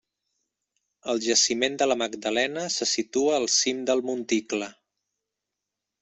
El jaciment de la Magdalena se situa al cim del monticle.